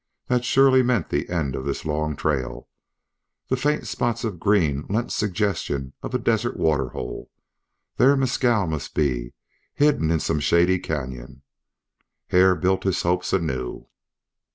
That surely meant the end of this long trail; the faint spots of green lent suggestion of a desert waterhole; there Mescal must be, hidden in some shady canyon. Hare built his hopes anew.